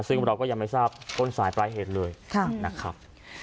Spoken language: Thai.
ซึ่งเราก็ยังไม่ทราบต้นสายปลายเหตุเลยนะครับ